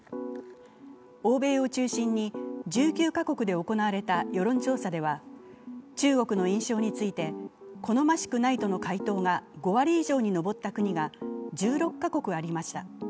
欧米を中心に１９か国で行われた世論調査では、中国の印象について、好ましくないとの回答が５割以上に上った国が１６か国ありました。